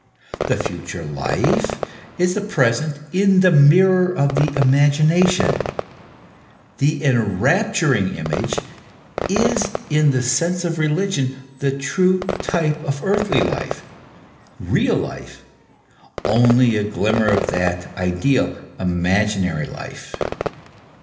The future life is the present in the mirror of the imagination : the enrapturing image is in the sense of religion the true type of earthly life, real life only a glimmer of that ideal, imaginary life.